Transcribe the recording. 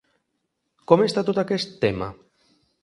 Com està tot aquest tema?